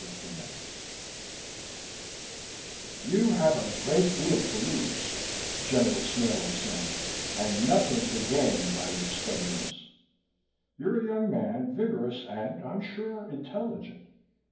CHAPTER XII "You have a great deal to lose," General Smale was saying, "and nothing to gain by your stubbornness. You're a young man, vigorous and, I'm sure, intelligent.